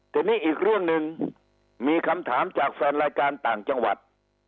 ทีนี้อีกเรื่องหนึ่งมีคำถามจากแฟนรายการต่างจังหวัด